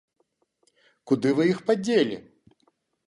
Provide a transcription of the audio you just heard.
Куды вы іх падзелі?